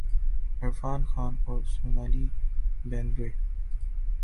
عرفان خان اور سونالی بیندر ے